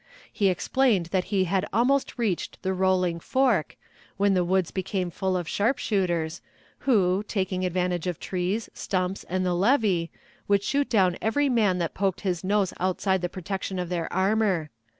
He explained that he had almost reached the Rolling Fork, when the woods became full of sharpshooters, who, taking advantage of trees, stumps, and the levee, would shoot down every man that poked his nose outside the protection of their armor.